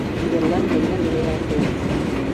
இதெல்லாம் என்ன விளையாட்டு!